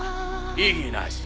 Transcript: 異議なし。